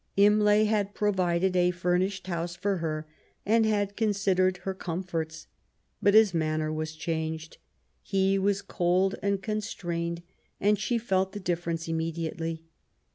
Imlay had provided a furnished house for her, and had considered her com forts. But his manner was changed. He was cold and constrained, and she felt the difference immediately.